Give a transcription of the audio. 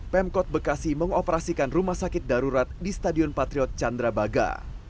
pemkot bekasi mengoperasikan rumah sakit darurat di stadion patriot candrabaga